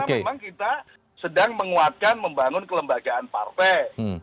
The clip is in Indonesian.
karena memang kita sedang menguatkan membangun kelembagaan partai